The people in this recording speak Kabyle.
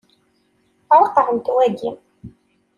Ṛeqqɛemt waki.